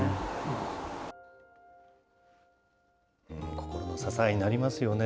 心の支えになりますよね。